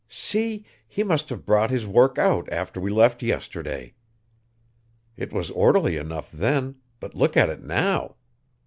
See, he must have brought his work out after we left yesterday. It was orderly enough then; but look at it now!